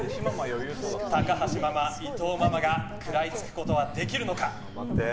高橋ママ、伊藤ママが食らいつくことはできるのか。